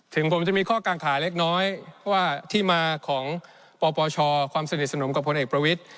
ถึงผมจะมีข้อกลางคาเล็กน้อยที่มาของปปชความสนิทสนมกับผลเอกประวิทย์